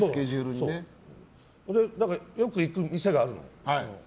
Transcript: だから、よく行く店があるの。